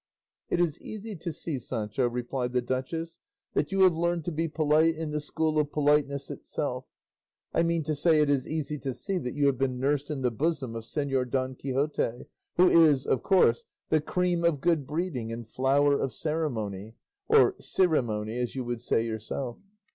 "It is easy to see, Sancho," replied the duchess, "that you have learned to be polite in the school of politeness itself; I mean to say it is easy to see that you have been nursed in the bosom of Señor Don Quixote, who is, of course, the cream of good breeding and flower of ceremony or cirimony, as you would say yourself.